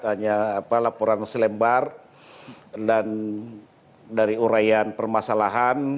hanya apa laporan selembar dan dari uraian permasalahan